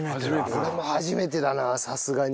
俺も初めてだなさすがに。